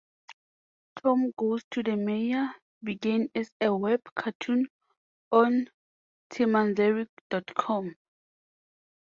"Tom Goes to the Mayor" began as a web cartoon on timanderic dot com.